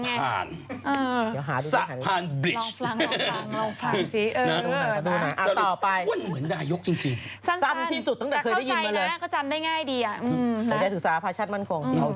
ใส่ใจศึกษาพาชาติมั่นคง